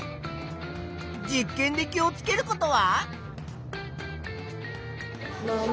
実験で気をつけることは？